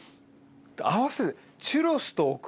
合わせて。